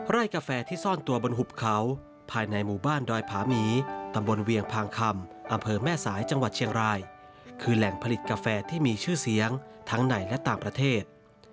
กาแฟที่ซ่อนตัวบนหุบเขาภายในหมู่บ้านดอยผาหมีตำบลเวียงพางคำอำเภอแม่สายจังหวัดเชียงรายคือแหล่งผลิตกาแฟที่มีชื่อเสียงทั้งในและต่างประเทศ